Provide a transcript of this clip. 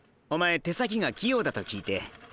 お前手先が器用だと聞いて。